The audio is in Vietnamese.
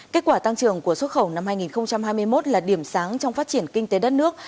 kết quả tăng trưởng của xuất khẩu năm hai nghìn hai mươi một là điểm sáng trong phát triển kinh tế đất nước